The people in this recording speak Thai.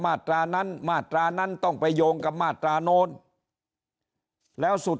มาตรานั้นมาตรานั้นต้องไปโยงกับมาตราโน้นแล้วสุด